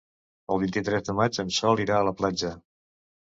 El vint-i-tres de maig en Sol irà a la platja.